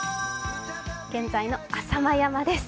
現在の浅間山です。